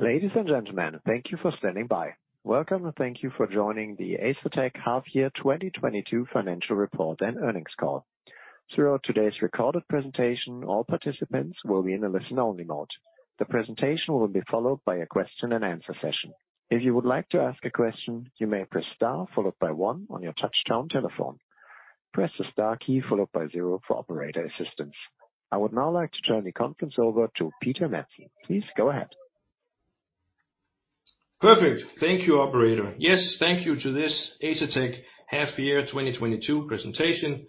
Ladies and gentlemen, thank you for standing by. Welcome, and thank you for joining the Asetek half year 2022 financial report and earnings call. Throughout today's recorded presentation, all participants will be in a listen-only mode. The presentation will be followed by a question and answer session. If you would like to ask a question, you may press Star followed by One on your touch-tone telephone. Press the Star key followed by Zero for operator assistance. I would now like to turn the conference over to Peter Dam Madsen. Please, go ahead. Perfect. Thank you, operator. Yes, thank you to this Asetek half year 2022 presentation.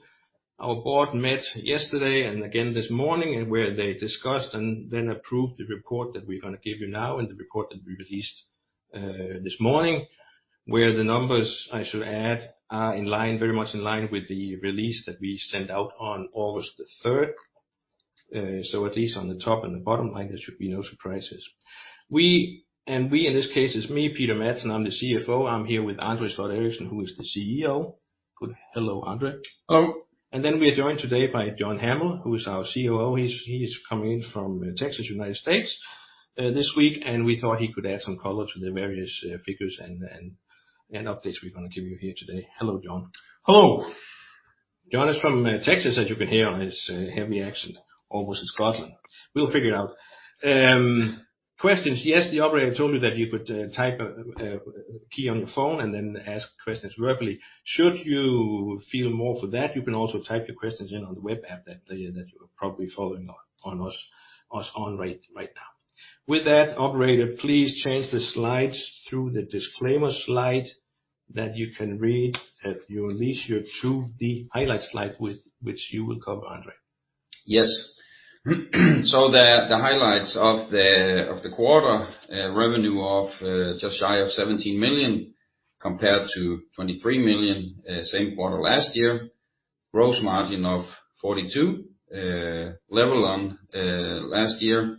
Our board met yesterday and again this morning, and where they discussed and then approved the report that we're gonna give you now and the report that we released this morning. The numbers, I should add, are in line, very much in line with the release that we sent out on August 3rd. So at least on the top and the bottom line, there should be no surprises. We, in this case, is me, Peter Dam Madsen. I'm the CFO. I'm here with André Sloth Eriksen, who is the CEO. Hello, André. Hello. We are joined today by John Hamill, who is our COO. He is coming in from Texas, United States this week, and we thought he could add some color to the various figures and updates we're gonna give you here today. Hello, John. Hello. John is from Texas, as you can hear on his heavy accent, almost as Scottish. We'll figure it out. Questions. Yes, the operator told me that you could type a key on your phone and then ask questions verbally. Should you prefer that, you can also type your questions in on the web app that you are probably following along with us right now. With that, operator, please change the slides through the disclaimer slide that you can read at your leisure to the highlights slide with which you will cover, André. The highlights of the quarter, revenue of just shy of $17 million compared to $23 million same quarter last year. Gross margin of 42% level on last year.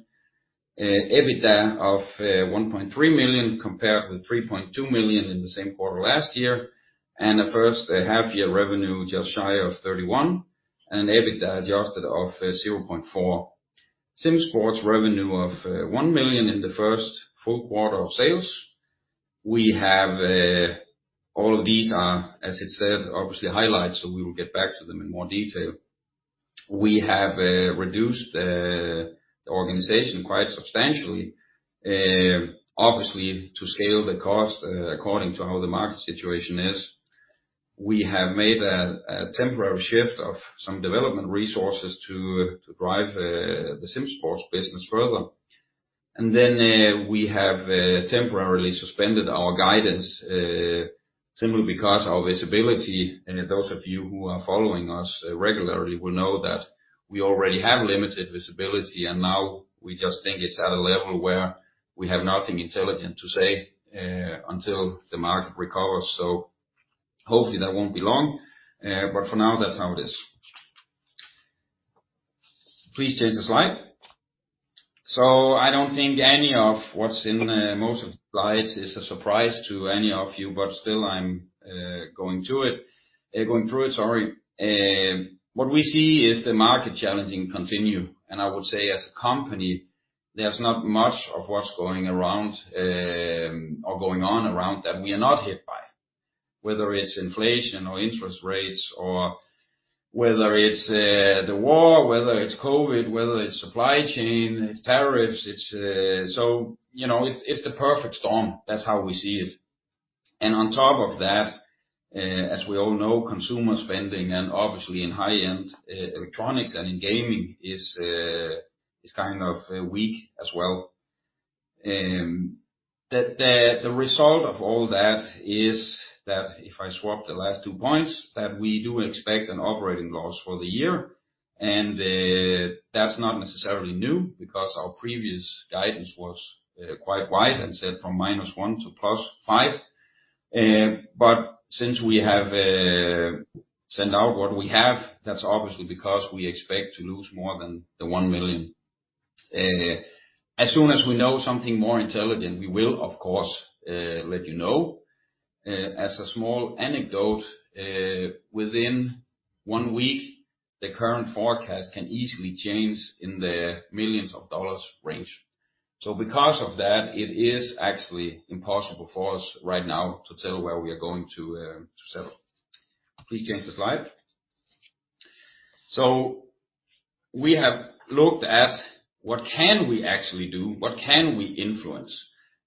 EBITDA of $1.3 million compared with $3.2 million in the same quarter last year. The first half year revenue just shy of $31 million, and EBITDA adjusted of $0.4 million. SimSports revenue of $1 million in the first full quarter of sales. We have all of these are, as it said, obviously highlights, so we will get back to them in more detail. We have reduced the organization quite substantially, obviously, to scale the cost according to how the market situation is. We have made a temporary shift of some development resources to drive the SimSports business further. Then we have temporarily suspended our guidance simply because our visibility, and those of you who are following us regularly will know that we already have limited visibility, and now we just think it's at a level where we have nothing intelligent to say until the market recovers. Hopefully, that won't be long. For now, that's how it is. Please change the slide. I don't think any of what's in most of the slides is a surprise to any of you, but still I'm going to it. Going through it, sorry. What we see is the market challenging continues. I would say as a company, there's not much of what's going on around that we are not hit by. Whether it's inflation or interest rates or whether it's the war, whether it's COVID, whether it's supply chain, it's tariffs. You know, it's the perfect storm. That's how we see it and on top of that, as we all know, consumer spending and obviously in high-end electronics and in gaming is kind of weak as well. The result of all that is that if I swap the last two points, we do expect an operating loss for the year. That's not necessarily new because our previous guidance was quite wide and said from -$1 million to +$5 million. Since we have sent out what we have, that's obviously because we expect to lose more than $1 million. As soon as we know something more intelligent, we will of course let you know. As a small anecdote, within one week, the current forecast can easily change in the millions of dollars range. Because of that, it is actually impossible for us right now to tell where we are going to settle. Please change the slide. We have looked at what we can actually do, what we can influence?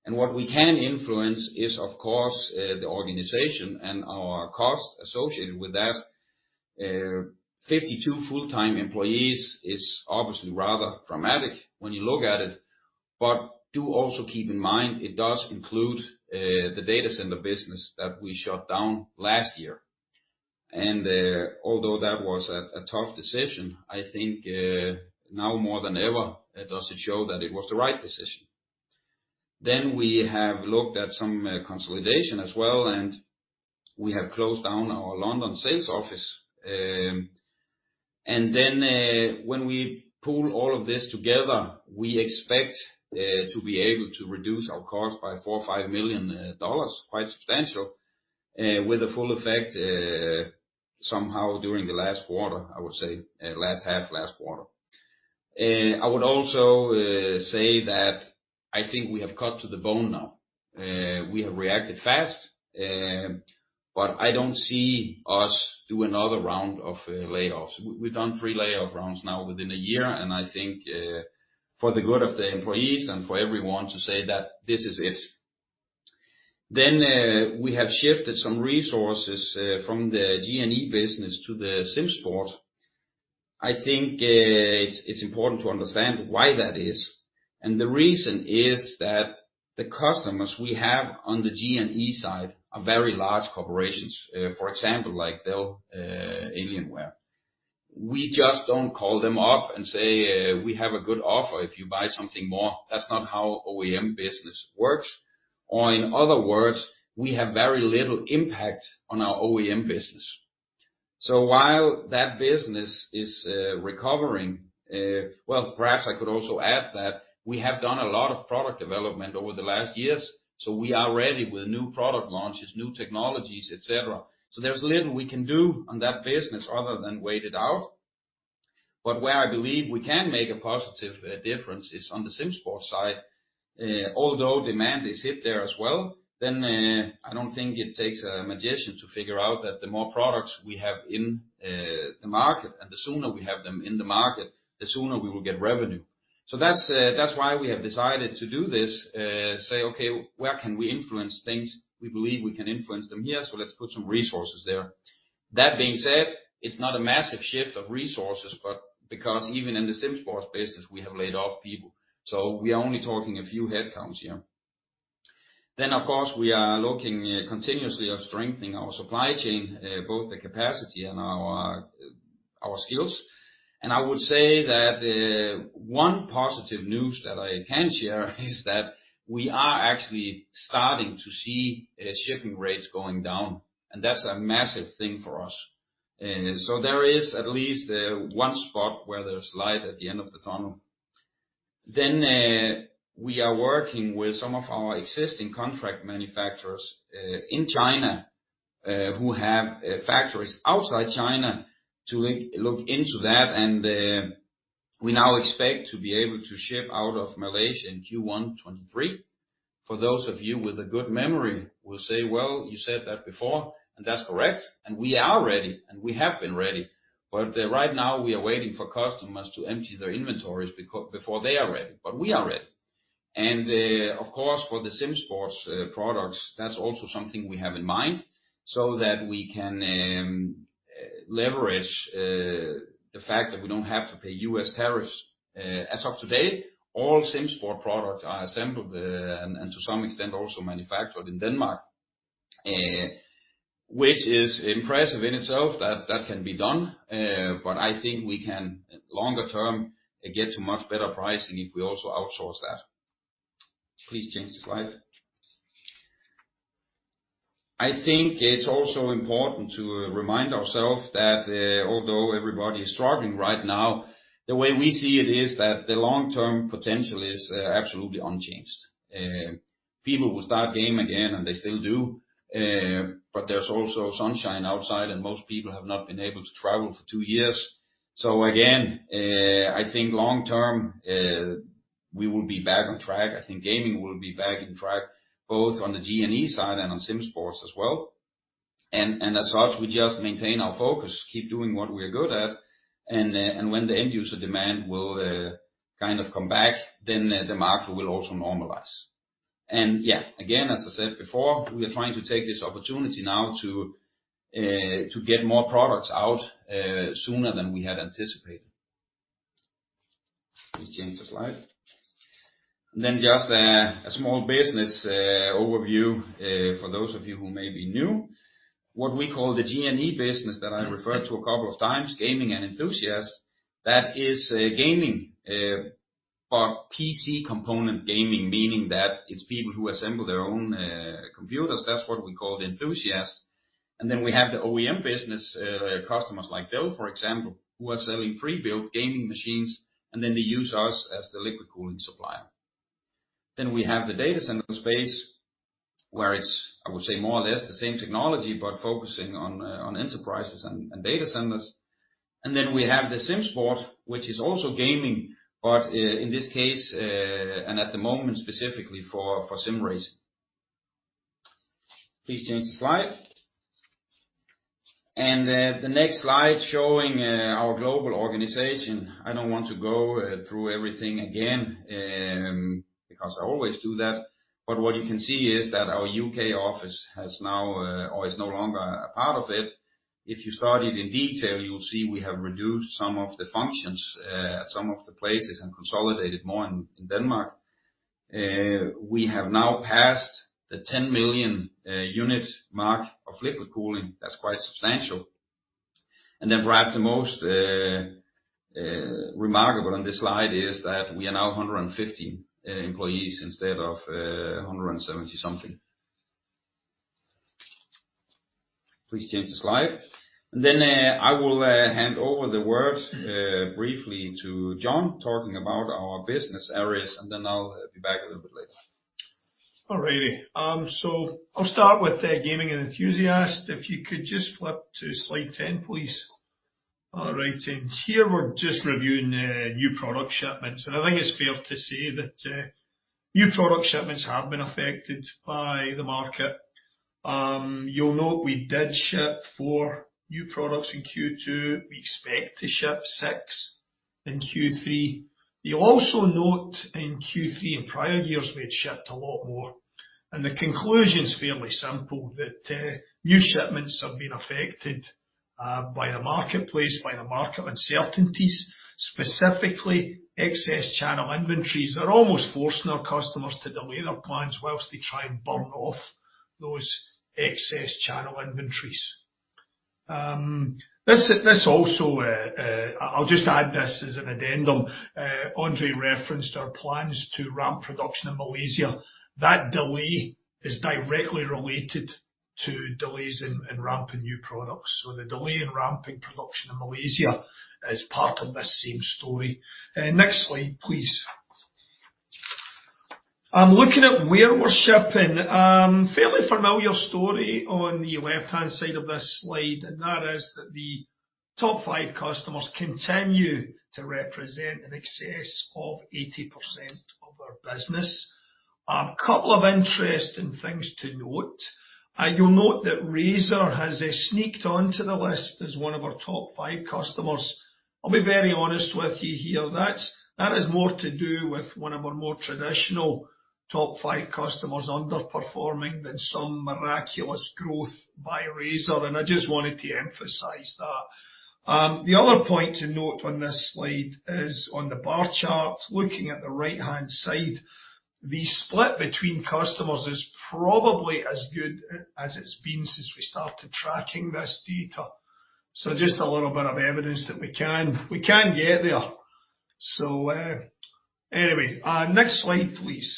What we can influence is, of course, the organization and our costs associated with that. 52 full-time employees is obviously rather dramatic when you look at it. Do also keep in mind, it does include the data center business that we shut down last year. Although that was a tough decision, I think now more than ever, it does show that it was the right decision. We have looked at some consolidation as well, and we have closed down our London sales office. When we pull all of this together, we expect to be able to reduce our cost by $4 million-$5 million, quite substantial. With the full effect somehow during the last quarter, I would say last half, last quarter. I would also say that I think we have cut to the bone now. We have reacted fast, but I don't see us do another round of layoffs. We've done three layoff rounds now within a year, and I think, for the good of the employees and for everyone to say that this is it. We have shifted some resources from the G&E business to the SimSports. I think it's important to understand why that is. The reason is that the customers we have on the G&E side are very large corporations. For example, like Dell, Alienware. We just don't call them up and say, "We have a good offer if you buy something more." That's not how OEM business works. In other words, we have very little impact on our OEM business. While that business is recovering, well, perhaps I could also add that we have done a lot of product development over the last years, so we are ready with new product launches, new technologies, et cetera. There's little we can do on that business other than wait it out. Where I believe we can make a positive difference is on the SimSports side. Although demand is hit there as well, then I don't think it takes a magician to figure out that the more products we have in the market and the sooner we have them in the market, the sooner we will get revenue. That's why we have decided to do this, say, "Okay, where can we influence things? We believe we can influence them here, so let's put some resources there. That being said, it's not a massive shift of resources, but because even in the SimSports business we have laid off people, so we are only talking a few headcounts here. Of course, we are looking continuously at strengthening our supply chain, both the capacity and our skills. I would say that one positive news that I can share is that we are actually starting to see shipping rates going down, and that's a massive thing for us. There is at least one spot where there's light at the end of the tunnel. We are working with some of our existing contract manufacturers in China who have factories outside China to look into that. We now expect to be able to ship out of Malaysia in Q1 2023. For those of you with a good memory will say, "Well, you said that before," and that's correct. We are ready, and we have been ready. Right now we are waiting for customers to empty their inventories before they are ready, but we are ready. Of course, for the SimSports products, that's also something we have in mind, so that we can leverage the fact that we don't have to pay U.S. tariffs. As of today, all SimSports products are assembled and to some extent also manufactured in Denmark, which is impressive in itself that that can be done. I think we can longer term get to much better pricing if we also outsource that. Please change the slide. I think it's also important to remind ourselves that, although everybody is struggling right now, the way we see it is that the long-term potential is absolutely unchanged. People will start gaming again, and they still do. There's also sunshine outside, and most people have not been able to travel for two years. Again, I think long term, we will be back on track. I think gaming will be back on track, both on the G&E side and on SimSports as well. As such, we just maintain our focus, keep doing what we're good at, and when the end user demand will kind of come back, then the market will also normalize. Yeah, again, as I said before, we're trying to take this opportunity now to get more products out sooner than we had anticipated. Please change the slide. Just a small business overview for those of you who may be new. What we call the G&E business that I referred to a couple of times, Gaming & Enthusiast, that is, gaming, but PC component gaming, meaning that it's people who assemble their own computers. That's what we call the enthusiasts. We have the OEM business, customers like Dell, for example, who are selling pre-built gaming machines, and then they use us as the liquid cooling supplier. We have the data center space, where it's, I would say, more or less the same technology, but focusing on enterprises and data centers. We have the SimSports, which is also gaming, but in this case and at the moment specifically for sim racing. Please change the slide. The next slide showing our global organization. I don't want to go through everything again, because I always do that. What you can see is that our U.K. office has now or is no longer a part of it. If you study it in detail, you will see we have reduced some of the functions at some of the places and consolidated more in Denmark. We have now passed the 10 million unit mark of liquid cooling. That's quite substantial. Perhaps the most remarkable on this slide is that we are now 150 employees instead of 170-something. Please change the slide. Then, I will hand over the word briefly to John talking about our business areas, and then I'll be back a little bit later. All righty. So I'll start with the Gaming & Enthusiast. If you could just flip to slide 10, please. All right. Here we're just reviewing the new product shipments. I think it's fair to say that new product shipments have been affected by the market. You'll note we did ship four new products in Q2. We expect to ship six in Q3. You'll also note in Q3, in prior years, we had shipped a lot more. The conclusion is fairly simple, that new shipments have been affected by the marketplace, by the market uncertainties, specifically excess channel inventories. They're almost forcing our customers to delay their plans while they try and burn off those excess channel inventories. This also, I'll just add this as an addendum. André referenced our plans to ramp production in Malaysia. That delay is directly related to delays in ramping new products. The delay in ramping production in Malaysia is part of this same story. Next slide, please. Looking at where we're shipping. Fairly familiar story on the left-hand side of this slide, and that is that the top five customers continue to represent in excess of 80% of our business. A couple of interesting things to note. You'll note that Razer has sneaked onto the list as one of our top five customers. I'll be very honest with you here, that's, that is more to do with one of our more traditional top five customers underperforming than some miraculous growth by Razer, and I just wanted to emphasize that. The other point to note on this slide is on the bar chart, looking at the right-hand side. The split between customers is probably as good as it's been since we started tracking this data. Just a little bit of evidence that we can get there. Anyway, next slide, please.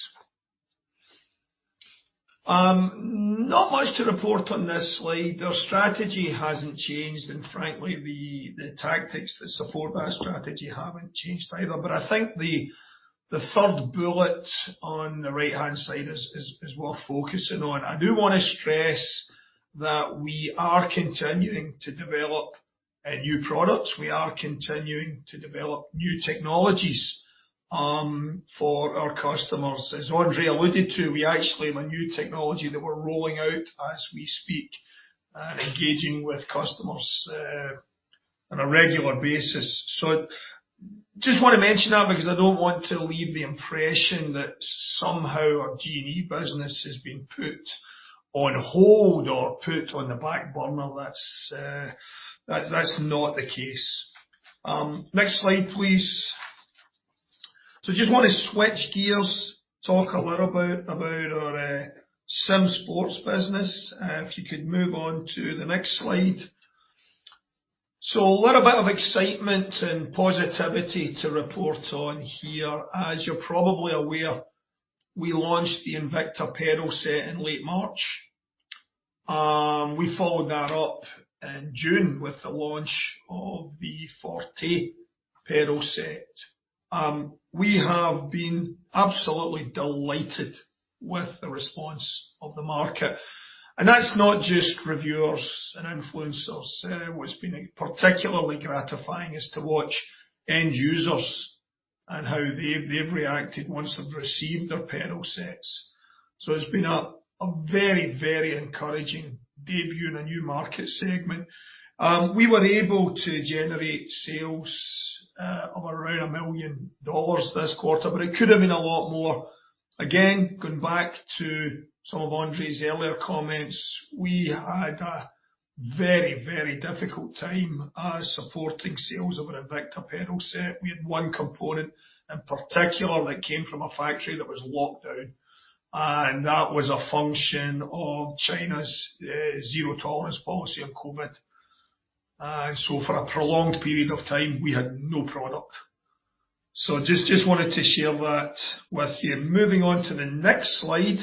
Not much to report on this slide. Our strategy hasn't changed, and frankly the tactics that support that strategy haven't changed either. I think the third bullet on the right-hand side is worth focusing on. I do wanna stress that we are continuing to develop new products. We are continuing to develop new technologies for our customers. As André alluded to, we actually have a new technology that we're rolling out as we speak, engaging with customers on a regular basis. Just wanna mention that because I don't want to leave the impression that somehow our G&E business has been put on hold or put on the back burner. That's not the case. Next slide, please. Just wanna switch gears, talk a little bit about our SimSports business. If you could move on to the next slide. A little bit of excitement and positivity to report on here. As you're probably aware, we launched the Invicta pedal set in late March. We followed that up in June with the launch of the Forte pedal set. We have been absolutely delighted with the response of the market. That's not just reviewers and influencers. What's been particularly gratifying is to watch end users and how they've reacted once they've received their pedal sets. It's been a very encouraging debut in a new market segment. We were able to generate sales of around $1 million this quarter, but it could have been a lot more. Again, going back to some of André's earlier comments, we had a very difficult time supporting sales of our Invicta pedal set. We had one component in particular that came from a factory that was locked down, and that was a function of China's zero tolerance policy on COVID. For a prolonged period of time, we had no product. Just wanted to share that with you. Moving on to the next slide.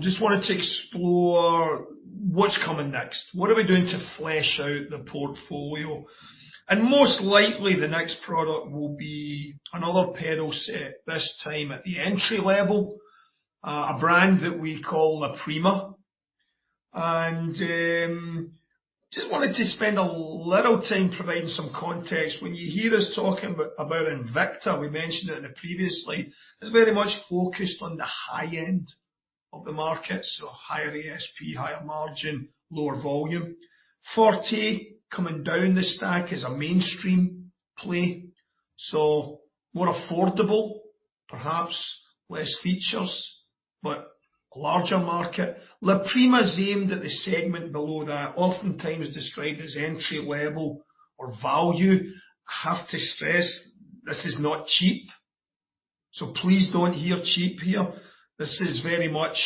Just wanted to explore what's coming next. What are we doing to flesh out the portfolio? Most likely, the next product will be another pedal set, this time at the entry-level, a brand that we call La Prima. Just wanted to spend a little time providing some context. When you hear us talking about Invicta, we mentioned it in the previous slide, it's very much focused on the high end of the market. Higher ASP, higher margin, lower volume. Forte, coming down the stack, is a mainstream play, so more affordable, perhaps less features, but larger market. La Prima is aimed at the segment below that, oftentimes described as entry-level or value. I have to stress this is not cheap. Please don't hear cheap here. This is very much.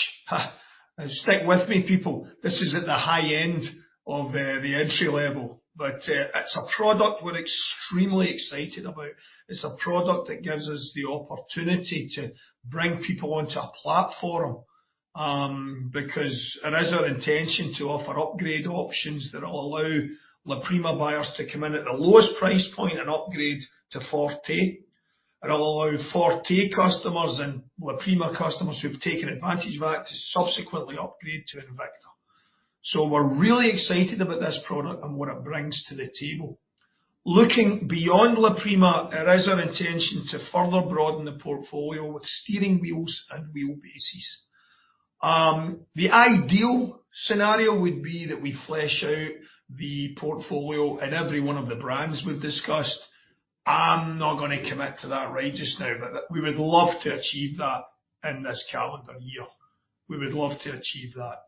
Stick with me, people. This is at the high end of the entry-level. It's a product we're extremely excited about. It's a product that gives us the opportunity to bring people onto a platform, because it is our intention to offer upgrade options that will allow La Prima buyers to come in at the lowest price point and upgrade to Forte. It'll allow Forte customers and La Prima customers who've taken advantage of that to subsequently upgrade to Invicta. We're really excited about this product and what it brings to the table. Looking beyond La Prima, it is our intention to further broaden the portfolio with steering wheels and wheelbases. The ideal scenario would be that we flesh out the portfolio in every one of the brands we've discussed. I'm not gonna commit to that right just now, but we would love to achieve that in this calendar year. We would love to achieve that.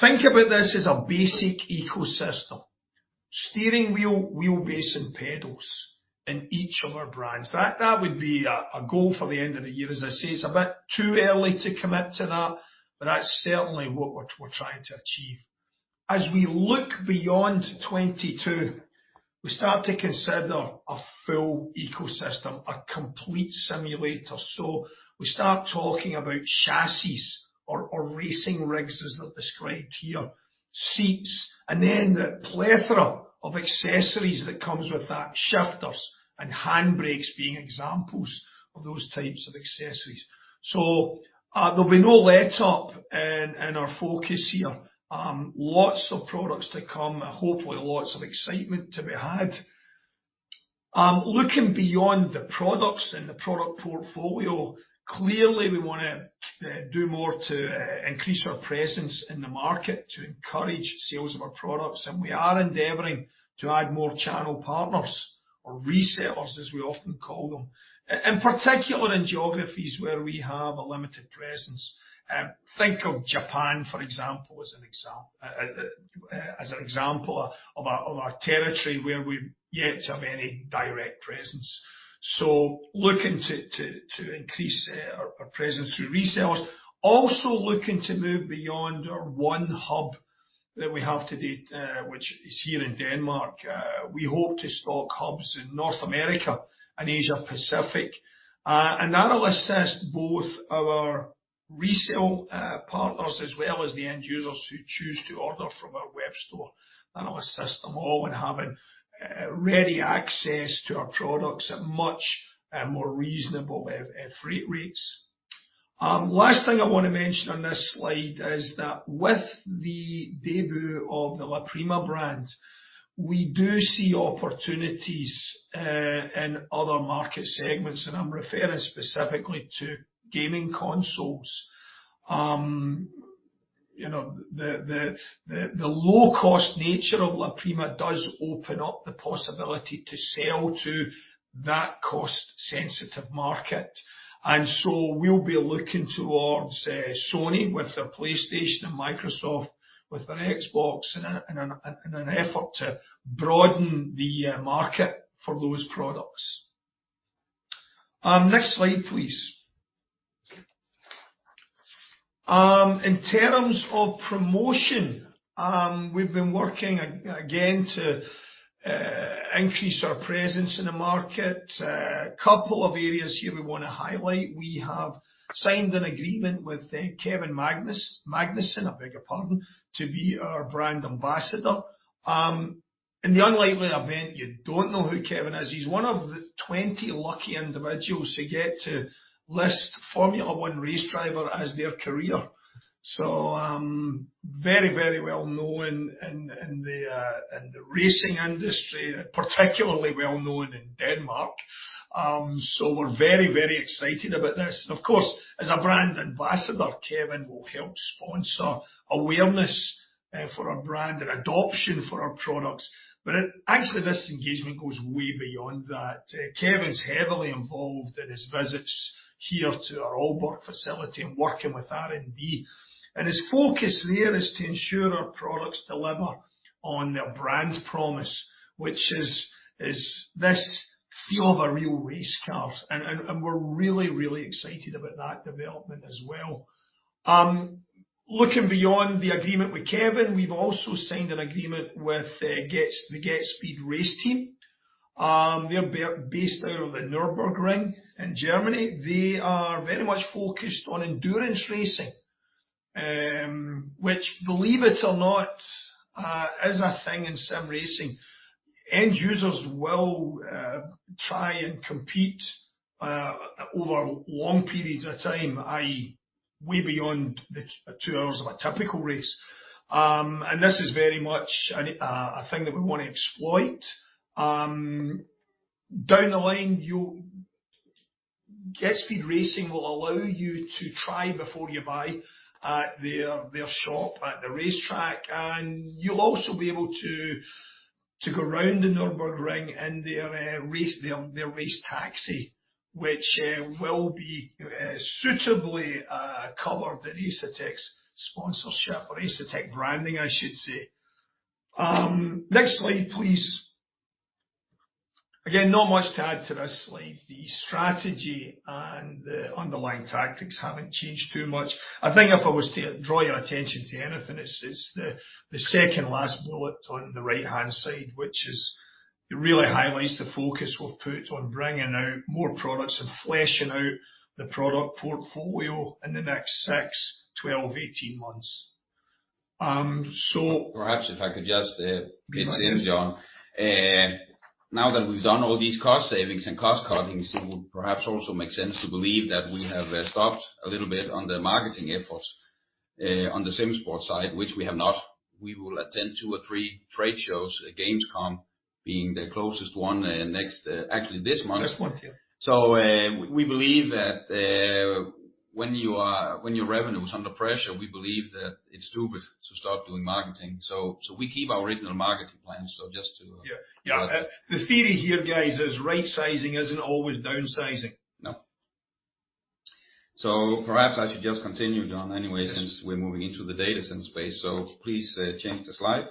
Think about this as a basic ecosystem, steering wheel, wheelbase, and pedals in each of our brands. That would be a goal for the end of the year. As I say, it's a bit too early to commit to that, but that's certainly what we're trying to achieve. As we look beyond 2022, we start to consider a full ecosystem, a complete simulator. We start talking about chassis or racing rigs as they're described here, seats, and then the plethora of accessories that comes with that, shifters and handbrakes being examples of those types of accessories. There'll be no letup in our focus here. Lots of products to come, and hopefully lots of excitement to be had. Looking beyond the products and the product portfolio, clearly we wanna do more to increase our presence in the market to encourage sales of our products, and we are endeavoring to add more channel partners or resellers as we often call them. Particularly in geographies where we have a limited presence. Think of Japan, for example, as an example of our territory where we're yet to have any direct presence. Looking to increase our presence through resellers. Also looking to move beyond our one hub that we have to date, which is here in Denmark. We hope to stock hubs in North America and Asia Pacific, and that'll assist both our resale partners as well as the end users who choose to order from our web store. That'll assist them all in having ready access to our products at much more reasonable freight rates. Last thing I wanna mention on this slide is that with the debut of the La Prima brand, we do see opportunities in other market segments, and I'm referring specifically to gaming consoles. You know, the low cost nature of La Prima does open up the possibility to sell to that cost-sensitive market. We'll be looking towards Sony with their PlayStation and Microsoft with their Xbox in an effort to broaden the market for those products. Next slide, please. In terms of promotion, we've been working again to increase our presence in the market. Couple of areas here we wanna highlight. We have signed an agreement with Kevin Magnussen, I beg your pardon, to be our brand ambassador. In the unlikely event you don't know who Kevin is, he's one of the 20 lucky individuals who get to list Formula One race driver as their career. Very, very well known in the racing industry, particularly well known in Denmark. We're very, very excited about this. Of course, as a brand ambassador, Kevin will help sponsor awareness for our brand and adoption for our products. Actually this engagement goes way beyond that. Kevin's heavily involved in his visits here to our Aalborg facility and working with R&D, and his focus there is to ensure our products deliver on their brand promise, which is this feel of a real race car. We're really excited about that development as well. Looking beyond the agreement with Kevin, we've also signed an agreement with the GetSpeed race team. They're based out of the Nürburgring in Germany. They are very much focused on endurance racing, which believe it or not, is a thing in sim racing. End users will try and compete over long periods of time, i.e., way beyond the two hours of a typical race. This is very much a thing that we want to exploit. Down the line, you'll GetSpeed Racing will allow you to try before you buy at their shop at the racetrack, and you'll also be able to go round the Nürburgring in their race taxi, which will be suitably covered in Asetek's sponsorship or Asetek branding, I should say. Next slide, please. Again, not much to add to this slide. The strategy and the underlying tactics haven't changed too much. I think if I was to draw your attention to anything, it's the second last bullet on the right-hand side, which is. It really highlights the focus we've put on bringing out more products and fleshing out the product portfolio in the next six, 12, 18 months. Um, so- Perhaps if I could just, it's him, John. Now that we've done all these cost savings and cost cuttings, it would perhaps also make sense to believe that we have stopped a little bit on the marketing efforts, on the SimSports side, which we have not. We will attend two or three trade shows, Gamescom being the closest one, next, actually this month. This month, yeah. We believe that when your revenue is under pressure, we believe that it's stupid to stop doing marketing. We keep our original marketing plan. Just to Yeah. The theory here, guys, is right sizing isn't always downsizing. No. Perhaps I should just continue, John, anyway, since we're moving into the data center space. Please, change the slide.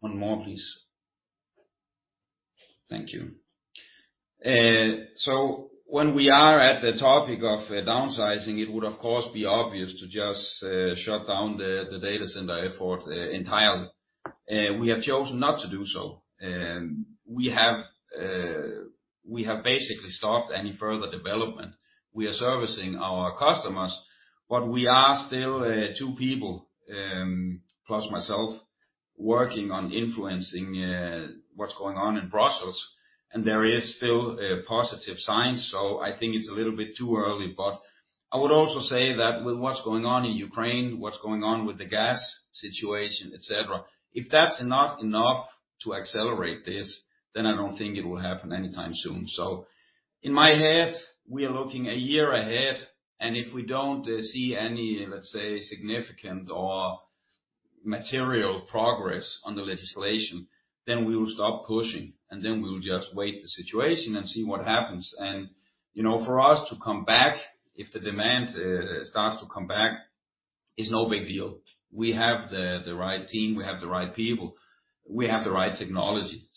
One more, please. Thank you. When we are at the topic of, downsizing, it would of course be obvious to just, shut down the data center effort entirely. We have chosen not to do so. We have basically stopped any further development. We are servicing our customers, but we are still two people, plus myself, working on influencing, what's going on in Brussels, and there is still a positive sign. I think it's a little bit too early, but I would also say that with what's going on in Ukraine, what's going on with the gas situation, et cetera, if that's not enough to accelerate this, then I don't think it will happen anytime soon. In my head, we are looking a year ahead, and if we don't see any, let's say, significant or material progress on the legislation, then we will stop pushing, and then we will just wait the situation and see what happens. You know, for us to come back, if the demand starts to come back, is no big deal. We have the right team, we have the right people, we have the right technology.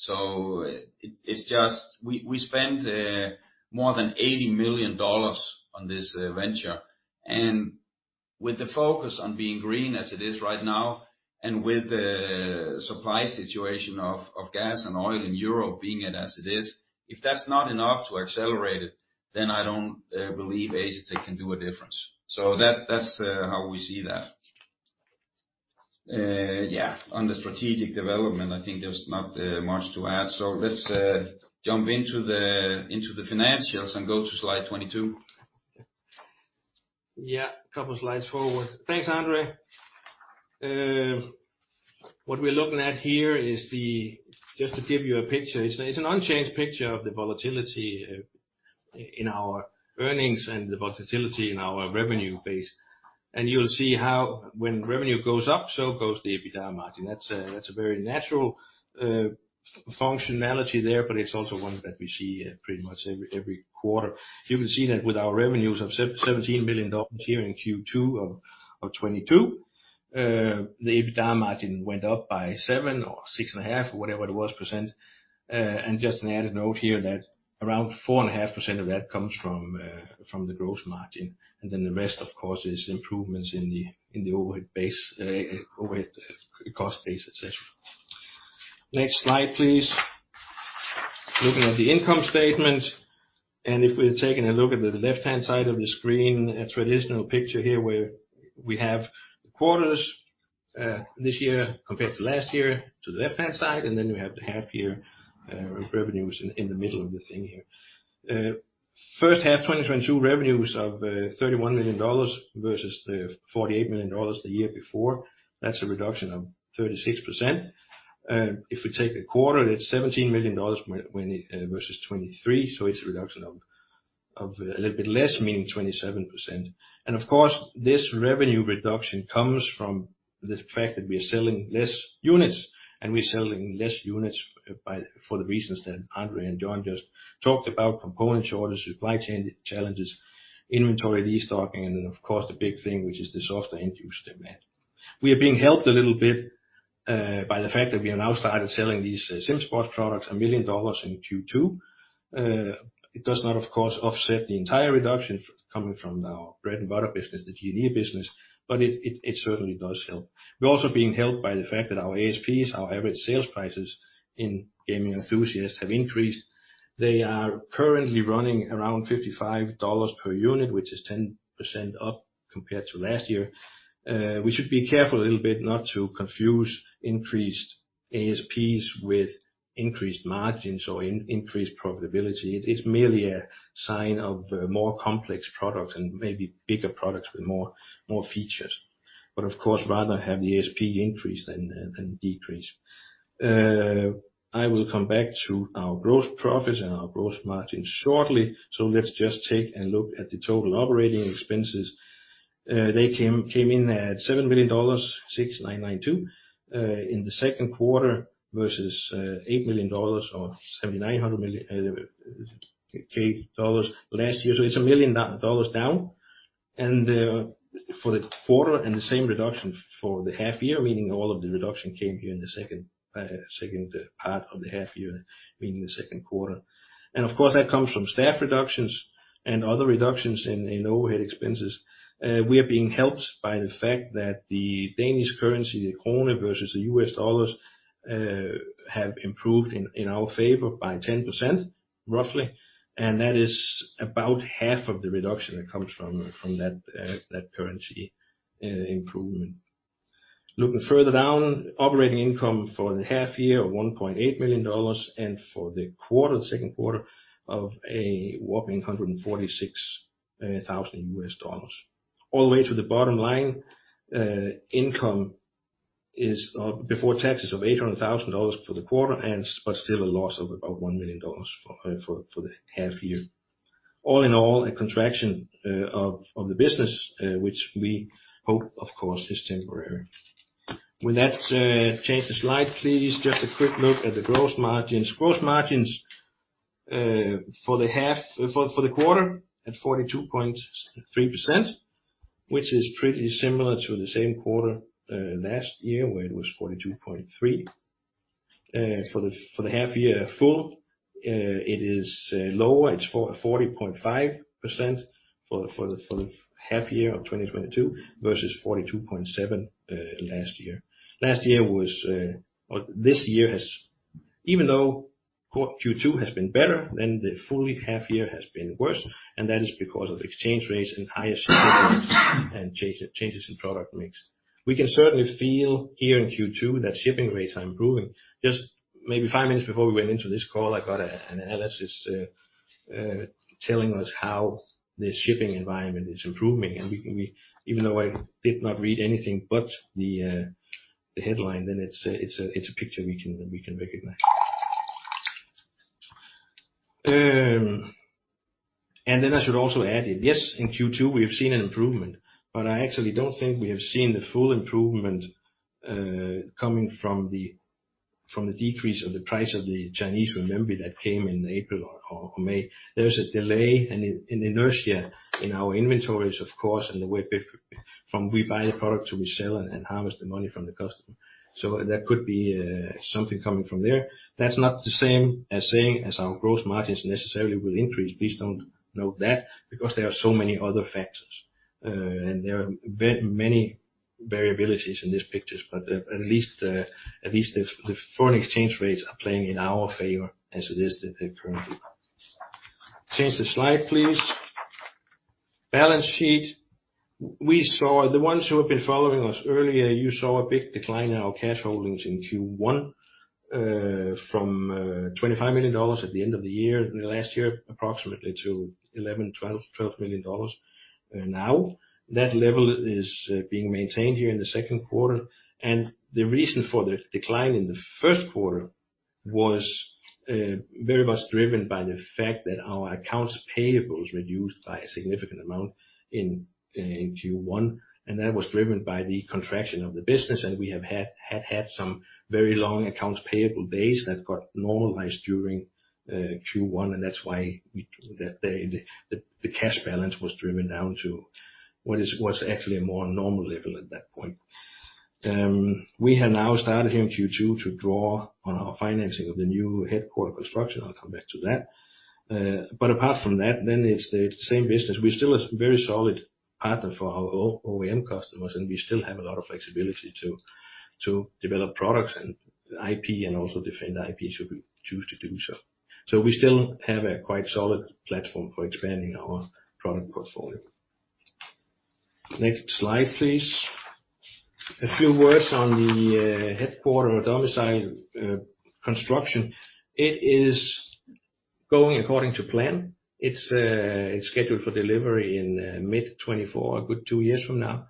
It's just we spent more than $80 million on this venture. With the focus on being green as it is right now, and with the supply situation of gas and oil in Europe being what it is. If that's not enough to accelerate it, then I don't believe Asetek can make a difference. That's how we see that. On the strategic development, I think there's not much to add. Let's jump into the financials and go to slide 22. Yeah. A couple slides forward. Thanks, André. What we're looking at here is just to give you a picture, it's an unchanged picture of the volatility in our earnings and the volatility in our revenue base. You'll see how when revenue goes up, so goes the EBITDA margin. That's a very natural functionality there, but it's also one that we see pretty much every quarter. You will see that with our revenues of $17 million here in Q2 of 2022, the EBITDA margin went up by 7% or 6.5%, or whatever it was. Just an added note here that around 4.5% of that comes from the gross margin, and then the rest, of course, is improvements in the overhead cost base, et cetera. Next slide, please. Looking at the income statement, if we're taking a look at the left-hand side of the screen, a traditional picture here where we have the quarters this year compared to last year to the left-hand side, and then we have the half year revenues in the middle of the thing here. First half 2022 revenues of $31 million versus the $48 million the year before. That's a reduction of 36%. If we take a quarter, it's $17 million versus $23 million, so it's a reduction of a little bit less, meaning 27%. Of course, this revenue reduction comes from the fact that we are selling less units, and we're selling less units for the reasons that André and John just talked about, component shortages, supply chain challenges, inventory destocking, and then of course the big thing, which is the softer end use demand. We are being helped a little bit by the fact that we have now started selling these SimSports products $1 million in Q2. It does not, of course, offset the entire reduction coming from our bread and butter business, the G&E business, but it certainly does help. We're also being helped by the fact that our ASPs, our average sales prices in Gaming & Enthusiasts have increased. They are currently running around $55 per unit, which is 10% up compared to last year. We should be careful a little bit not to confuse increased ASPs with increased margins or increased profitability. It is merely a sign of more complex products and maybe bigger products with more features. Of course, rather have the ASP increase than decrease. I will come back to our gross profits and our gross margin shortly. Let's just take a look at the total operating expenses. They came in at $6.692 million in the second quarter versus $8 million or $7.9 million last year. It's a million dollars down. For the quarter and the same reduction for the half year, meaning all of the reduction came here in the second part of the half year, meaning the second quarter. Of course, that comes from staff reductions and other reductions in overhead expenses. We are being helped by the fact that the Danish currency, the krone versus the U.S. dollars, have improved in our favor by 10%. Roughly, that is about half of the reduction that comes from that currency improvement. Looking further down, operating income for the half year of $1.8 million, and for the quarter, the second quarter, of a whopping $146,000. All the way to the bottom line, income is before taxes of $800,000 for the quarter and still a loss of $1 million for the half year. All in all, a contraction of the business, which we hope, of course, is temporary. With that, change the slide, please. Just a quick look at the gross margins. Gross margins for the quarter at 42.3%, which is pretty similar to the same quarter last year, where it was 42.3%. For the half year full, it is lower. It's 40.5% for the half year of 2022 versus 42.7% last year. Last year was. Or this year has. Even though Q2 has been better than the first half year has been worse, and that is because of exchange rates and higher shipping rates and changes in product mix. We can certainly feel here in Q2 that shipping rates are improving. Just maybe five minutes before we went into this call, I got an analysis telling us how the shipping environment is improving. Even though I did not read anything but the headline, then it's a picture we can recognize. I should also add that, yes, in Q2 we have seen an improvement, but I actually don't think we have seen the full improvement coming from the decrease of the price of the Chinese renminbi that came in April or May. There's a delay and inertia in our inventories, of course, and the way we're from we buy the product to we sell and harvest the money from the customer. That could be something coming from there. That's not the same as saying our gross margins necessarily will increase. Please don't note that, because there are so many other factors. There are many variabilities in these pictures, but at least the foreign exchange rates are playing in our favor as it is the current. Change the slide, please. Balance sheet. We saw the ones who have been following us earlier. You saw a big decline in our cash holdings in Q1 from $25 million at the end of the year, the last year, approximately to $12 million. Now that level is being maintained here in the second quarter, and the reason for the decline in the first quarter was very much driven by the fact that our accounts payable reduced by a significant amount in Q1, and that was driven by the contraction of the business. We have had some very long accounts payable days that got normalized during Q1, and that's why the cash balance was driven down to what's actually a more normal level at that point. We have now started in Q2 to draw on our financing of the new headquarters construction. I'll come back to that. Apart from that, then it's the same business. We're still a very solid partner for our OEM customers, and we still have a lot of flexibility to develop products and IP and also defend IP should we choose to do so. We still have a quite solid platform for expanding our product portfolio. Next slide, please. A few words on the headquarters or domicile construction. It is going according to plan. It's scheduled for delivery in mid-2024, a good two years from now.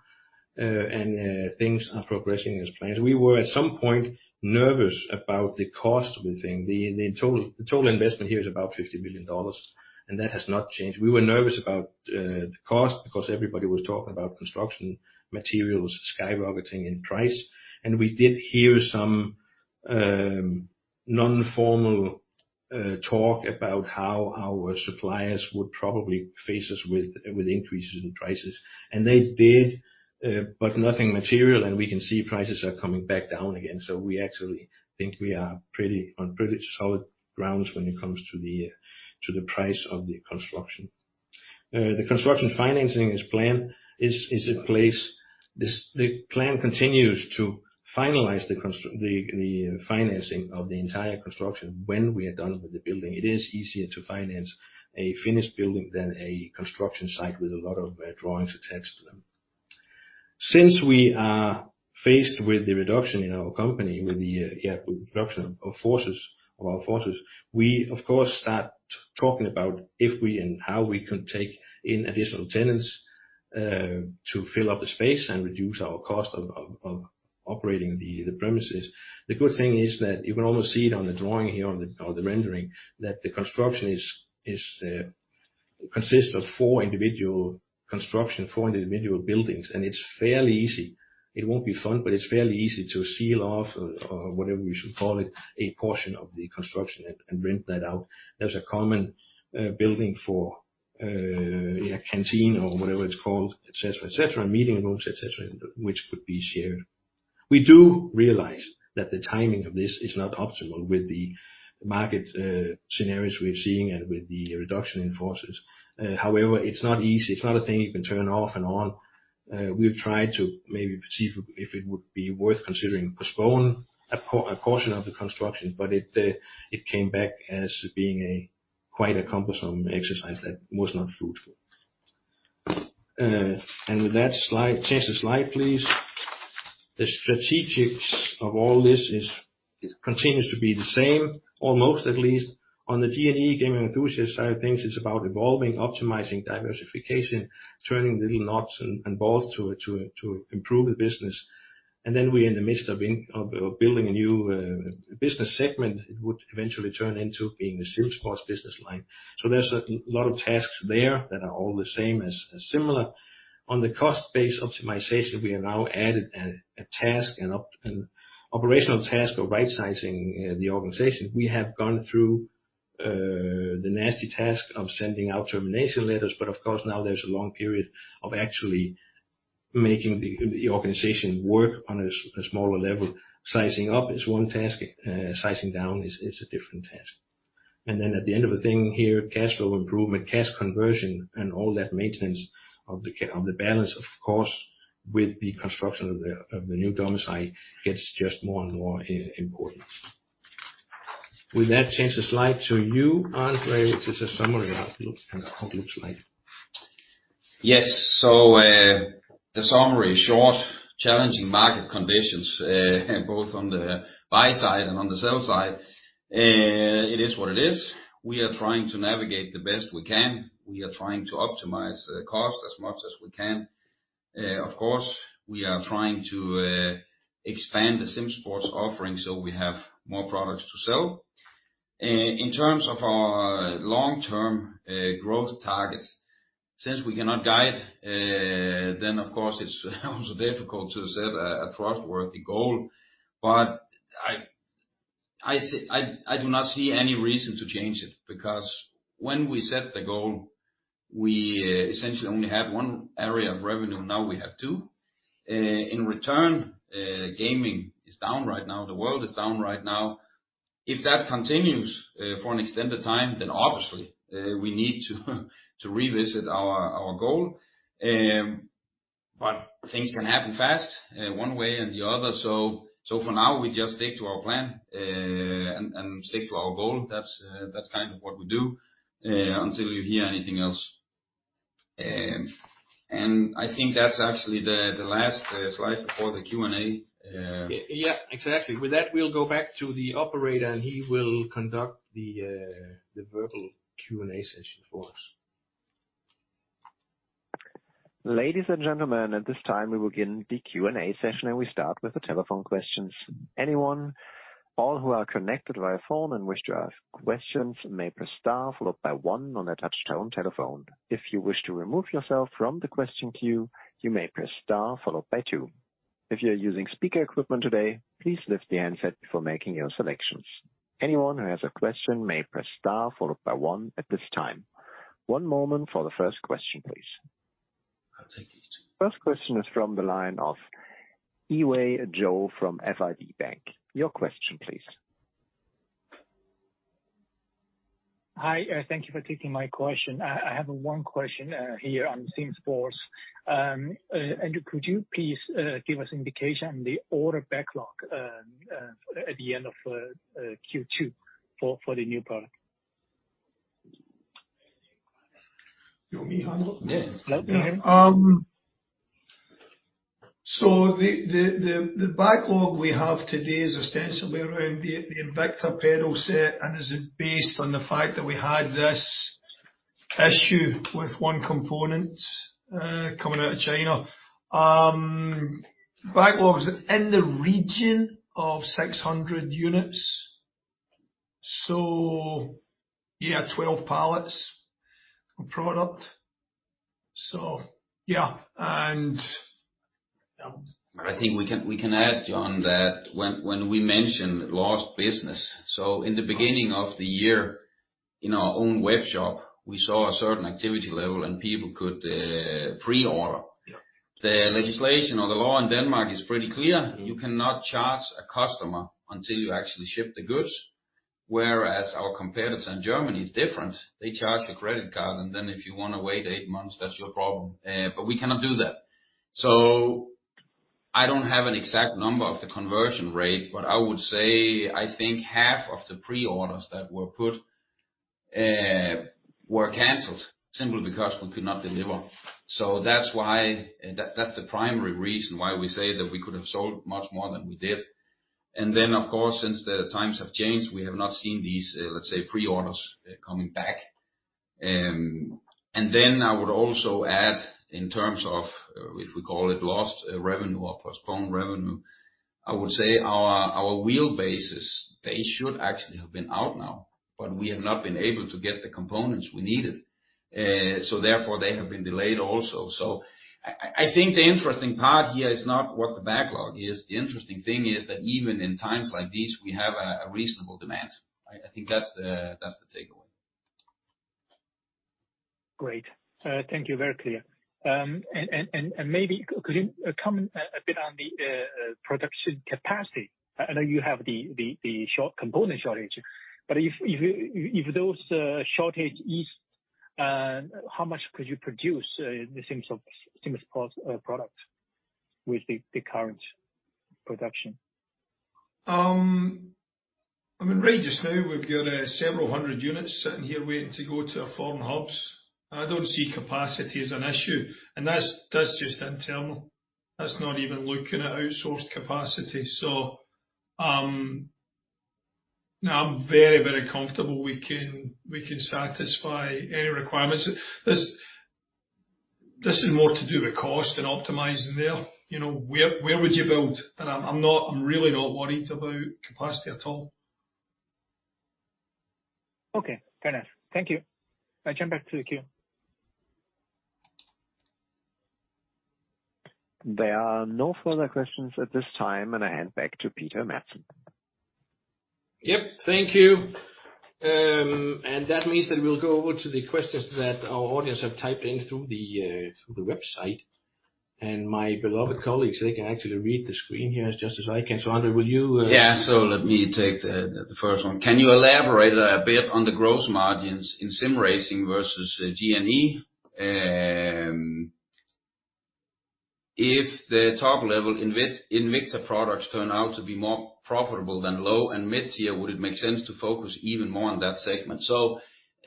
Things are progressing as planned. We were at some point nervous about the cost of the thing. The total investment here is about $50 million, and that has not changed. We were nervous about the cost because everybody was talking about construction materials skyrocketing in price. We did hear some informal talk about how our suppliers would probably face us with increases in prices. They did, but nothing material, and we can see prices are coming back down again. We actually think we are on pretty solid grounds when it comes to the price of the construction. The construction financing as planned is in place. The plan continues to finalize the financing of the entire construction when we are done with the building. It is easier to finance a finished building than a construction site with a lot of drawings attached to them. Since we are faced with the reduction in our company, with the reduction of our forces, we of course start talking about if we and how we could take in additional tenants to fill up the space and reduce our cost of operating the premises. The good thing is that you can almost see it on the drawing here or the rendering, that the construction consists of four individual buildings, and it's fairly easy. It won't be fun, but it's fairly easy to seal off or whatever you should call it, a portion of the construction and rent that out. There's a common building for canteen or whatever it's called, et cetera, meeting rooms, et cetera, which could be shared. We do realize that the timing of this is not optimal with the market scenarios we're seeing and with the reduction in forces. However, it's not easy. It's not a thing you can turn off and on. We've tried to maybe perceive if it would be worth considering postpone a portion of the construction, but it came back as being quite a cumbersome exercise that was not fruitful. With that slide, change the slide, please. The strategy of all this is, continues to be the same, almost at least. On the G&E Gaming & Enthusiast side of things, it's about evolving, optimizing diversification, turning little knots and bolts to improve the business. Then we're in the midst of building a new business segment, it would eventually turn into being the SimSports business line. There's a lot of tasks there that are all the same as similar. On the cost-based optimization, we have now added a task, an operational task of rightsizing the organization. We have gone through the nasty task of sending out termination letters, but of course, now there's a long period of actually making the organization work on a smaller level. Sizing up is one task, sizing down is a different task. Then at the end of the thing here, cash flow improvement, cash conversion, and all that maintenance of the balance, of course, with the construction of the new domicile, gets just more and more important. With that, change the slide to you, André, which is a summary of looks and how it looks like. Yes. The summary is short. Challenging market conditions, both on the buy side and on the sell side. It is what it is. We are trying to navigate the best we can. We are trying to optimize the cost as much as we can. Of course, we are trying to expand the SimSports offering so we have more products to sell. In terms of our long-term growth targets, since we cannot guide, then of course it's also difficult to set a trustworthy goal. I do not see any reason to change it because when we set the goal, we essentially only had one area of revenue, now we have two. In return, gaming is down right now, the world is down right now. If that continues for an extended time, then obviously we need to revisit our goal. Things can happen fast one way and the other. For now we just stick to our plan and stick to our goal. That's kind of what we do until you hear anything else. I think that's actually the last slide before the Q&A. Yeah, exactly. With that, we'll go back to the operator, and he will conduct the verbal Q&A session for us. Ladies and gentlemen, at this time, we will begin the Q&A session, and we start with the telephone questions. Anyone, all who are connected via phone and wish to ask questions may press Star followed by One on their touchtone telephone. If you wish to remove yourself from the question queue, you may press Star followed by Two. If you're using speaker equipment today, please lift the handset before making your selections. Anyone who has a question may press star followed by one at this time. One moment for the first question, please. I'll take it. First question is from the line of Eirik Børve from DNB Markets. Your question please. Hi, thank you for taking my question. I have one question here on SimSports. Andrew, could you please give us indication on the order backlog at the end of Q2 for the new product? You want me to handle it? Yes. The backlog we have today is ostensibly around the Invicta pedal set and is based on the fact that we had this issue with one component coming out of China. Backlog's in the region of 600 units. 12 pallets of product. I think we can add, John, that when we mention lost business, so in the beginning of the year, in our own web shop, we saw a certain activity level and people could pre-order. Yeah. The legislation or the law in Denmark is pretty clear. Mm-hmm. You cannot charge a customer until you actually ship the goods, whereas our competitors in Germany, it's different. They charge the credit card and then if you wanna wait eight months, that's your problem. But we cannot do that. I don't have an exact number of the conversion rate, but I would say I think half of the pre-orders that were put were canceled simply because we could not deliver. That's the primary reason why we say that we could have sold much more than we did. Then, of course, since the times have changed, we have not seen these, let's say pre-orders coming back. I would also add in terms of if we call it lost revenue or postponed revenue, I would say our wheel bases. They should actually have been out now, but we have not been able to get the components we needed. Therefore they have been delayed also. I think the interesting part here is not what the backlog is. The interesting thing is that even in times like these, we have a reasonable demand. I think that's the takeaway. Great. Thank you. Very clear. Maybe could you comment a bit on the production capacity? I know you have the component shortage, but if those shortages eased, how much could you produce the SimSports product with the current production? I mean, right just now we've got several hundred units sitting here waiting to go to our foreign hubs. I don't see capacity as an issue, and that's just internal. That's not even looking at outsourced capacity. No, I'm very comfortable we can satisfy any requirements. This is more to do with cost and optimizing there. You know, where would you build? I'm really not worried about capacity at all. Okay. Fair enough. Thank you. I jump back to the queue. There are no further questions at this time, and I hand back to Peter Madsen. Yep. Thank you. That means that we'll go over to the questions that our audience have typed in through the website. My beloved colleagues, they can actually read the screen here just as I can. André, will you Yeah. Let me take the first one. Can you elaborate a bit on the gross margins in Sim Racing versus G&E? If the top level Invicta products turn out to be more profitable than low and mid-tier, would it make sense to focus even more on that segment?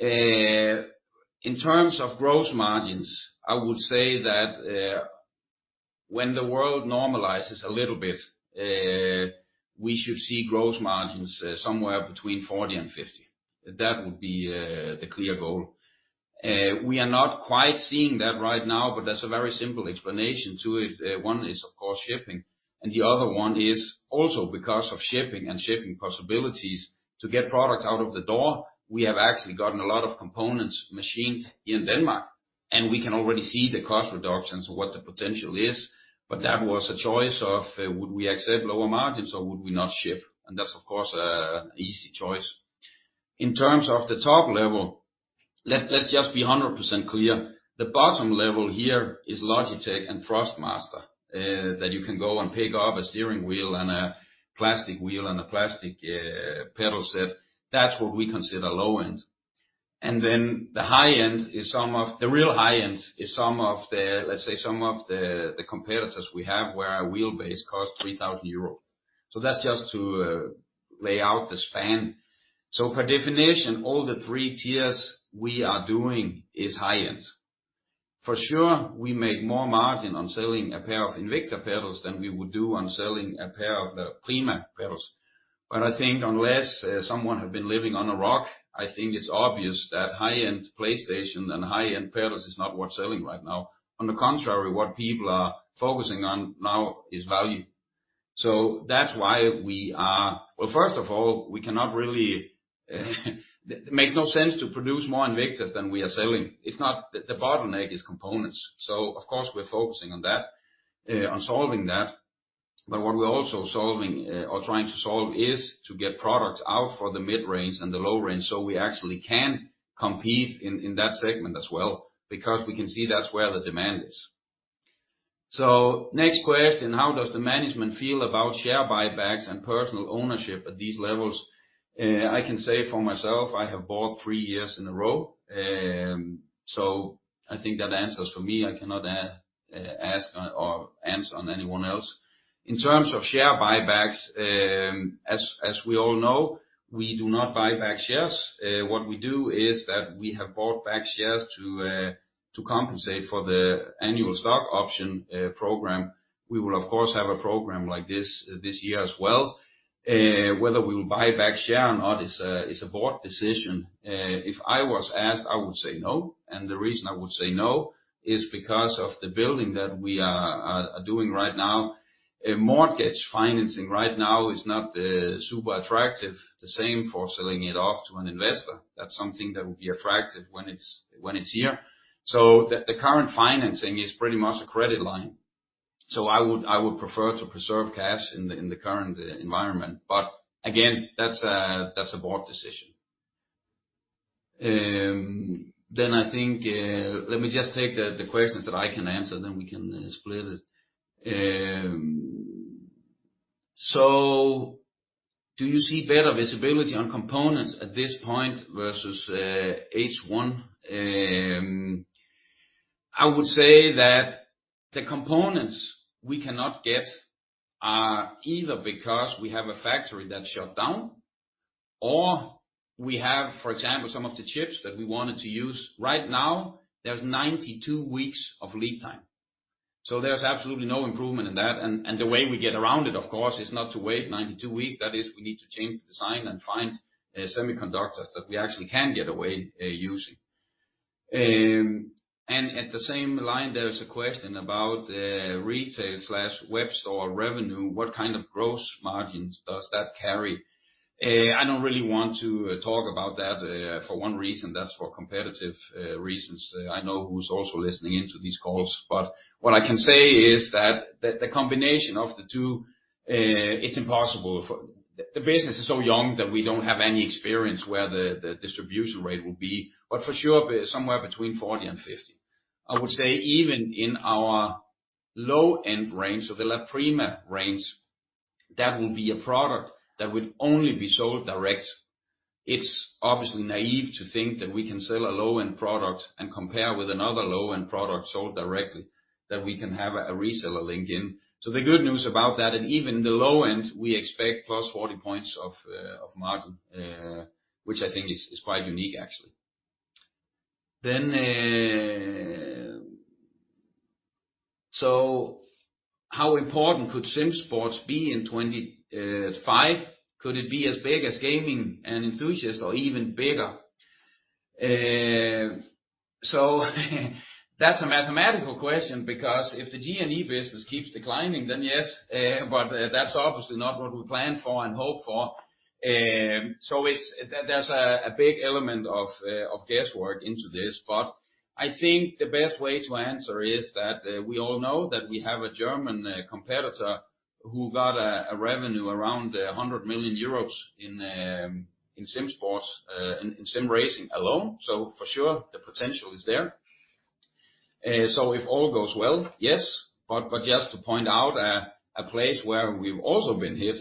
In terms of gross margins, I would say that when the world normalizes a little bit, we should see gross margins somewhere between 40%-50%. That would be the clear goal. We are not quite seeing that right now, but there's a very simple explanation to it. One is, of course, shipping, and the other one is also because of shipping and shipping possibilities to get product out of the door. We have actually gotten a lot of components machined in Denmark, and we can already see the cost reductions of what the potential is. That was a choice of, would we accept lower margins or would we not ship? That's of course a easy choice. In terms of the top level, let's just be 100% clear. The bottom level here is Logitech and Thrustmaster, that you can go and pick up a steering wheel and a plastic wheel and a plastic, pedal set. That's what we consider low end. Then the high end is some of the real high end is some of the, let's say, some of the competitors we have where our wheel base costs 3,000 euros. That's just to lay out the span. Per definition, all the three tiers we are doing is high end. For sure, we make more margin on selling a pair of Invicta pedals than we would do on selling a pair of La Prima pedals. I think unless someone had been living on a rock, I think it's obvious that high-end PlayStation and high-end pedals is not worth selling right now. On the contrary, what people are focusing on now is value. That's why we are. Well, first of all, we cannot really, it makes no sense to produce more Invictas than we are selling. The bottleneck is components. Of course, we're focusing on that, on solving that. What we're also solving, or trying to solve is to get products out for the mid-range and the low range so we actually can compete in that segment as well, because we can see that's where the demand is. Next question: How does the management feel about share buybacks and personal ownership at these levels? I can say for myself, I have bought three years in a row. I think that answers for me. I cannot ask or answer on anyone else. In terms of share buybacks, as we all know, we do not buy back shares. What we do is that we have bought back shares to compensate for the annual stock option program. We will of course have a program like this this year as well. Whether we will buy back shares or not is a board decision. If I was asked, I would say no, and the reason I would say no is because of the building that we are doing right now. Mortgage financing right now is not super attractive, the same for selling it off to an investor. That's something that will be attractive when it's here. The current financing is pretty much a credit line. I would prefer to preserve cash in the current environment. Again, that's a board decision. I think let me just take the questions that I can answer, then we can split it. Do you see better visibility on components at this point versus H1? I would say that the components we cannot get are either because we have a factory that's shut down or we have, for example, some of the chips that we wanted to use right now, there's 92 weeks of lead time. There's absolutely no improvement in that. The way we get around it, of course, is not to wait 92 weeks. That is, we need to change the design and find semiconductors that we actually can get away using. At the same time, there is a question about retail/web store revenue. What kind of gross margins does that carry? I don't really want to talk about that for one reason. That's for competitive reasons. I know who's also listening into these calls. What I can say is that the combination of the two, the business is so young that we don't have any experience where the distribution rate will be, but for sure somewhere between 40% and 50%. I would say even in our low-end range, so the La Prima range, that will be a product that will only be sold direct. It's obviously naive to think that we can sell a low-end product and compare with another low-end product sold directly, that we can have a reseller link in. The good news about that, and even the low-end, we expect plus 40 points of margin, which I think is quite unique actually. How important could SimSports be in 2025? Could it be as big as gaming and enthusiast or even bigger? That's a mathematical question because if the G&E business keeps declining, then yes. That's obviously not what we plan for and hope for. There's a big element of guesswork in this. I think the best way to answer is that we all know that we have a German competitor who got a revenue around 100 million euros in SimSports in Sim Racing alone. For sure, the potential is there. If all goes well, yes. But just to point out a place where we've also been hit,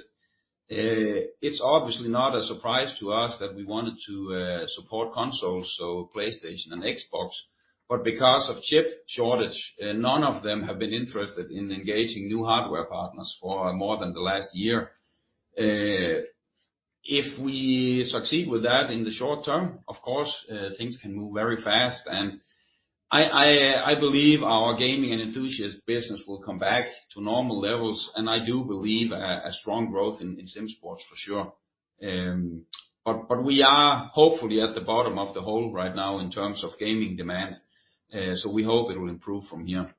it's obviously not a surprise to us that we wanted to support consoles, so PlayStation and Xbox. Because of chip shortage, none of them have been interested in engaging new hardware partners for more than the last year. If we succeed with that in the short term, of course, things can move very fast. I believe our gaming and enthusiast business will come back to normal levels, and I do believe a strong growth in SimSports for sure. But we are hopefully at the bottom of the hole right now in terms of gaming demand, so we hope it will improve from here.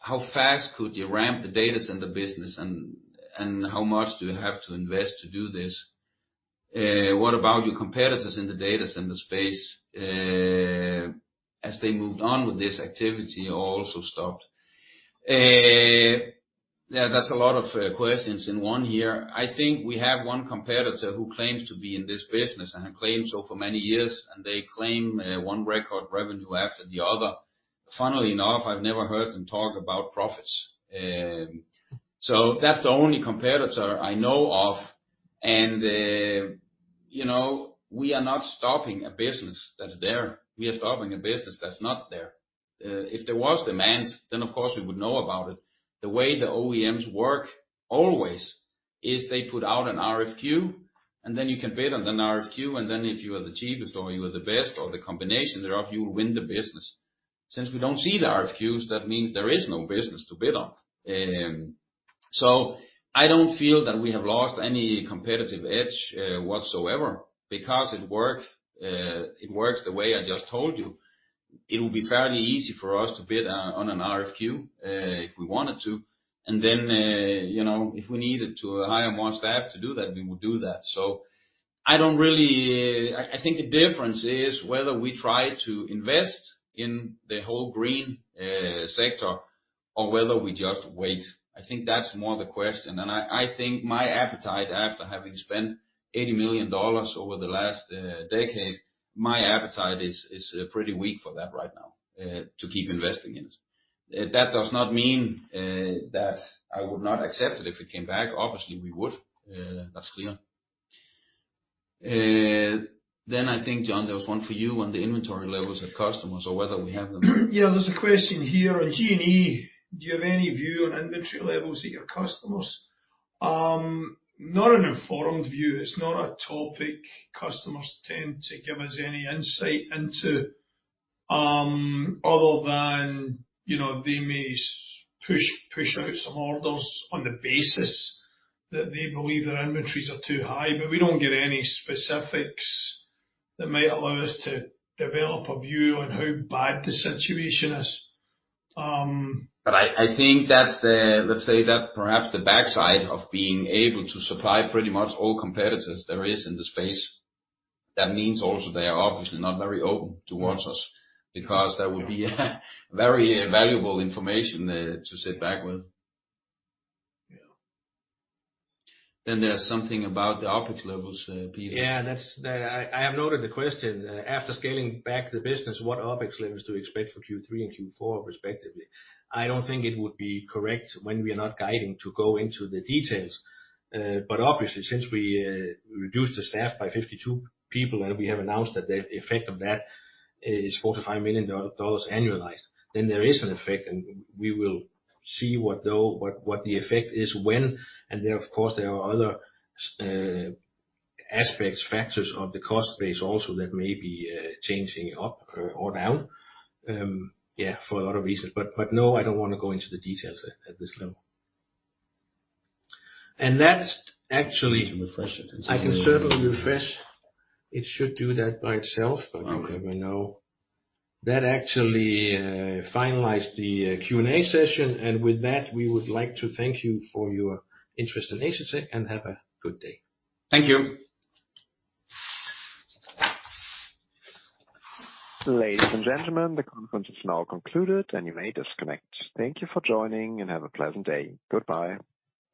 How fast could you ramp the data center business and how much do you have to invest to do this? What about your competitors in the data center space, as they moved on with this activity or also stopped? Yeah, that's a lot of questions in one here. I think we have one competitor who claims to be in this business and have claimed so for many years, and they claim one record revenue after the other. Funnily enough, I've never heard them talk about profits. That's the only competitor I know of. We are not stopping a business that's there. We are stopping a business that's not there. If there was demand, then of course we would know about it. The way the OEMs work always is they put out an RFQ, and then you can bid on an RFQ, and then if you are the cheapest or you are the best or the combination thereof, you win the business. Since we don't see the RFQs, that means there is no business to bid on. I don't feel that we have lost any competitive edge whatsoever because it works the way I just told you. It will be fairly easy for us to bid on an RFQ if we wanted to. You know, if we needed to hire more staff to do that, we would do that. I don't really think the difference is whether we try to invest in the whole green sector or whether we just wait. I think that's more the question. I think my appetite after having spent $80 million over the last decade, my appetite is pretty weak for that right now to keep investing in it. That does not mean that I would not accept it if it came back. Obviously, we would. That's clear. I think, John, there was one for you on the inventory levels of customers or whether we have them. Yeah. There's a question here. On G&E, do you have any view on inventory levels at your customers? Not an informed view. It's not a topic customers tend to give us any insight into, other than, you know, they may push out some orders on the basis that they believe their inventories are too high. We don't get any specifics that might allow us to develop a view on how bad the situation is. I think that's. Let's say that perhaps the backside of being able to supply pretty much all competitors there is in the space. That means also they are obviously not very open towards us because that would be very valuable information to sit back with. Yeah. There's something about the OpEx levels, Peter. I have noted the question. After scaling back the business, what OpEx levels do you expect for Q3 and Q4 respectively? I don't think it would be correct when we are not guiding to go into the details. Obviously, since we reduced the staff by 52 people, and we have announced that the effect of that is $4 million-$5 million annualized, then there is an effect, and we will see what the effect is when. Then, of course, there are other aspects, factors of the cost base also that may be changing up or down for a lot of reasons. No, I don't wanna go into the details at this level. That's actually. You can refresh it. I can certainly refresh. It should do that by itself, but you never know. Okay. That actually finalized the Q&A session. With that, we would like to thank you for your interest in Asetek, and have a good day. Thank you. Ladies and gentlemen, the conference is now concluded, and you may disconnect. Thank you for joining, and have a pleasant day. Goodbye.